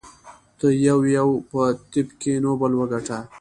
تو یویو په طب کې نوبل وګاټه.